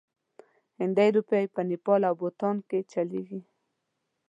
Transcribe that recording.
هندي روپۍ په نیپال او بوتان کې چلیږي.